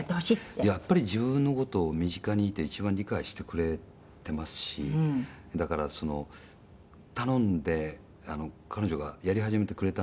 谷村：やっぱり、自分の事を身近にいて一番理解してくれてますしだから、頼んで、彼女がやり始めてくれたんですけど